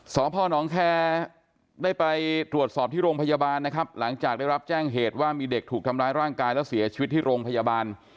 สพนแคร์ได้ไปตรวจสอบที่โรงพยาบาลนะครับหลังจากได้รับแจ้งเหตุว่ามีเด็กถูกทำร้ายร่างกายแล้วเสียชีวิตที่โรงพยาบาล